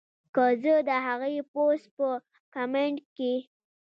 کۀ زۀ د هغې پوسټ پۀ کمنټ کښې